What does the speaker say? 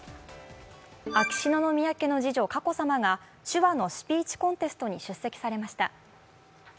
秋篠宮家の次女・佳子さまが手話のスピーチコンテストに出席されました。